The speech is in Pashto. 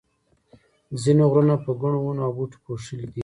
ځینې غرونه په ګڼو ونو او بوټو پوښلي دي.